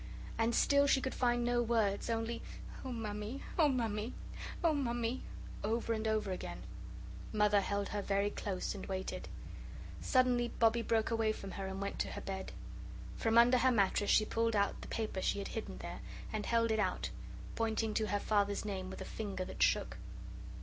And still she could find no words, only, "Oh, Mammy, oh, Mammy, oh, Mammy," over and over again. Mother held her very close and waited. Suddenly Bobbie broke away from her and went to her bed. From under her mattress she pulled out the paper she had hidden there, and held it out, pointing to her Father's name with a finger that shook.